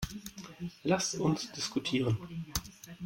Lass uns diskutieren.